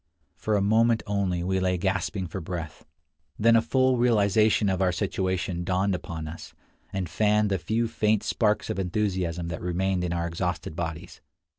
For a moment only we lay gasping for breath; then a full realization of our situation dawned upon us, and fanned the few faint sparks of enthusiasm that remained in our exhausted bodies.